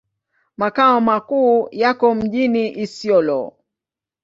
Makao makuu yako mjini Isiolo.